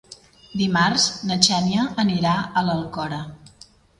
Dimarts na Xènia anirà a l'Alcora.